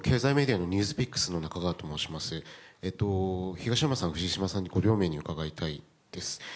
東山さん、藤島さんご両名に伺いたいです。